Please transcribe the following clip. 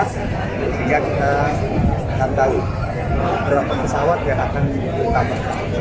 sehingga kita akan tahu berapa pesawat yang akan diutamakan